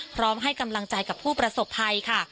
พร้อมให้กำลังใจกับผู้ประสบภัยค่ะ